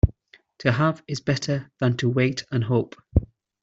To have is better than to wait and hope.